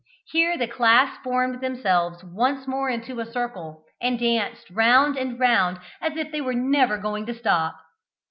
Here the class formed themselves once more into a circle, and danced round and round as if they were never going to stop.